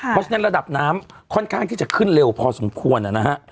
เพราะฉะนั้นระดับน้ำค่อนข้างที่จะขึ้นเร็วพอสมควรนะฮะ